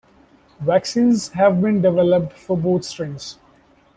Vaccines have been developed for both strains.